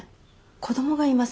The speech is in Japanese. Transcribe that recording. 子供がいます。